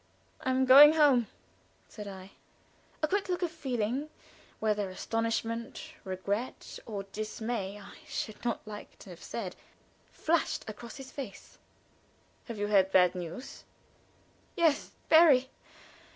"I am going home," said I. A quick look of feeling whether astonishment, regret, or dismay, I should not like to have said flashed across his face. "Have you had bad news?" "Yes, very.